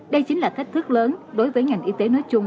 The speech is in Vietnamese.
đây chính là thách thức lớn đối với ngành y tế nói chung